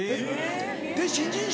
で新人賞。